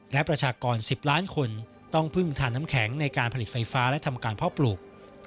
และประชากร๑๐ล้านคนต้องพึ่งทานน้ำแข็งในการผลิตไฟฟ้าและทำการเพาะปลูก